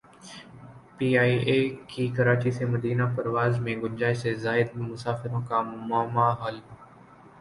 P I A کی کراچی سے Medina پرواز میں گنجائش سے زائد مسافروں کا معمہ حل